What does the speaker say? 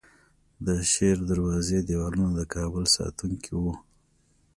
د شیردروازې دیوالونه د کابل ساتونکي وو